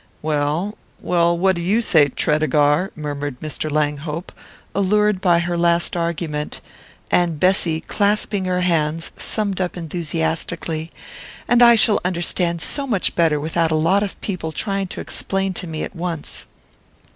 "Well well what do you say, Tredegar?" murmured Mr. Langhope, allured by her last argument; and Bessy, clasping her hands, summed up enthusiastically: "And I shall understand so much better without a lot of people trying to explain to me at once!"